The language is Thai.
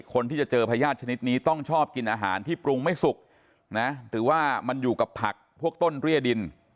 คนที่จะเจอพญาติชนิดนี้ต้องชอบกินอาหารที่ปรุงไม่สุกนะหรือว่ามันอยู่กับผักพวกต้นเรียดิน